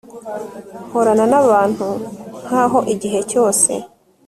nkorana nabantu nkabo igihe cyose